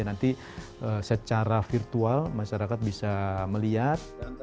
nanti secara virtual masyarakat bisa melihat